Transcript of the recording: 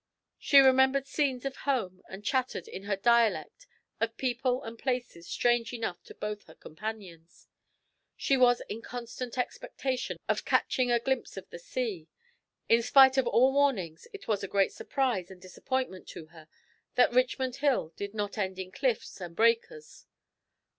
She remembered scenes of home, and chattered in her dialect of people and places strange enough to both her companions. She was in constant expectation of catching a glimpse of the sea; in spite of all warnings it was a great surprise and disappointment to her that Richmond Hill did not end in cliffs and breakers.